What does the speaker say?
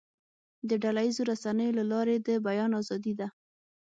د ډله ییزو رسنیو له لارې د بیان آزادي ده.